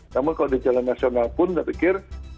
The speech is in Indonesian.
namun kalau di jalan nasional pun saya pikir